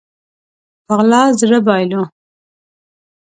په غلا زړه بايلو